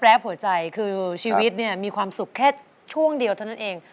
แล้วแปลผัวใจก็คือชีวิตมีความสุขแค่ช่วงเดียวเท่านั้นเอง